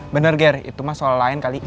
bener ger itu mah soal lain kali